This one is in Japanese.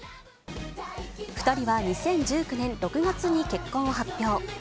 ２人は２０１９年６月に結婚を発表。